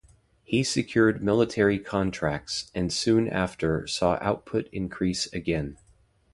He secured military contracts and soon after saw output increase again.